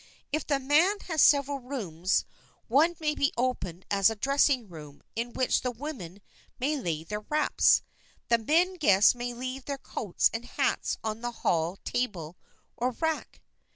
If the man has several rooms, one may be opened as a dressing room in which the women may lay their wraps. The men guests may leave their coats and hats on the hall table or rack.